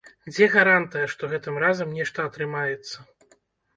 Дзе гарантыя, што гэтым разам нешта атрымаецца?